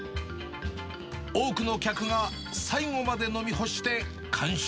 多くの客が最後まで飲み干して完食。